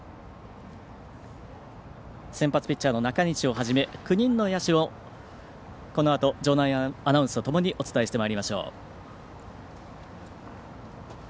先発ピッチャーの中西をはじめ９人の野手を、このあと場内アナウンスとともにお伝えしてまいりましょう。